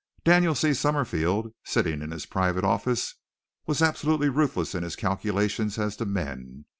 Daniel C. Summerfield, sitting in his private office, was absolutely ruthless in his calculations as to men.